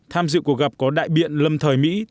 tham dự cuộc gặp có đại biện lâm thời mỹ